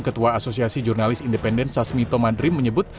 ketua asosiasi jurnalis independen sasmito madrim menyebut